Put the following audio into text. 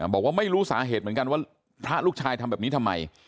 บอกว่าไม่รู้สาเหตุเหมือนกันว่าพระลูกชายทำแบบนี้ทำไม